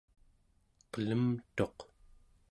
qelemtuq